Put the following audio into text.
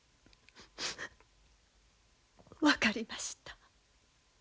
分かりました。